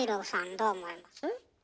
どう思います？